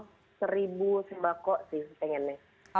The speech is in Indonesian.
jadi itu semangat kok sih pengennya